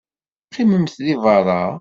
Qqimemt deg beṛṛa.